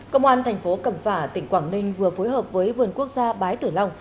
công an tp cầm phả tỉnh quảng ninh vừa phối hợp với vườn quốc gia bái tử long